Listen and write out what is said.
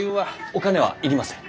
お金は要りません。